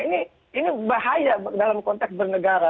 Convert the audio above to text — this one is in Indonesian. ini bahaya dalam konteks bernegara